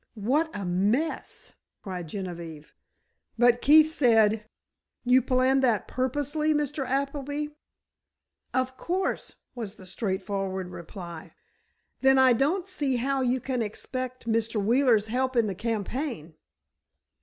"What a mess!" cried Genevieve, but Keefe said: "You planned that purposely, Mr. Appleby?" "Of course," was the straightforward reply. "Then I don't see how you can expect Mr. Wheeler's help in the campaign."